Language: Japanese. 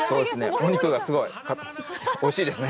お肉がすごいおいしいですね。